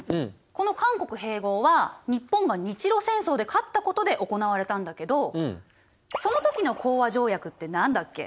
この韓国併合は日本が日露戦争で勝ったことで行われたんだけどその時の講和条約って何だっけ？